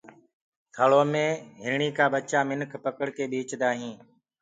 ٿݪو مي هرڻي ڪآ ٻچآ منک پکڙڪي ٻيچدآئين